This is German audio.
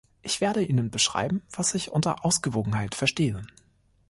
Ich werde Ihnen beschreiben, was ich unter Ausgewogenheit verstehe.